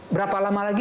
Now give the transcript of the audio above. berapa lama lagi